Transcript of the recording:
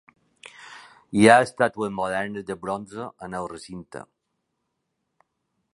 Hi ha estàtues modernes de bronze en el recinte.